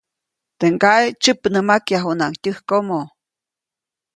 Teʼ ŋgaʼe tsyäpnämakyajunaʼuŋ tyäjkomo.